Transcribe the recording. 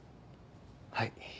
はい。